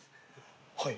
はい。